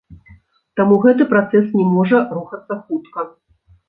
Таму гэты працэс не можа рухацца хутка.